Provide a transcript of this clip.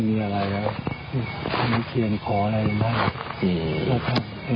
ใช่นะมีของคือบรรทุกเลยน่ะหรือว่าคือ